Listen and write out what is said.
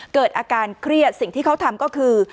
เกิดอาการเครียดสิ่งที่เขาทำก็คือ